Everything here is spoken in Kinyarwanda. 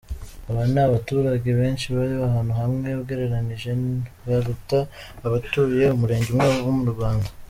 Aba ni abaturage benshi bari ahantu hamwe, ugereranije baruta abatuye Umurenge umwe mu Rwanda.